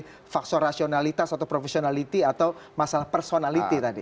memilih faktor rasionalitas atau professionality atau masalah personality tadi